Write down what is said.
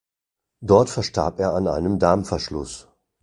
Dort verstarb er an einem Darmverschluss.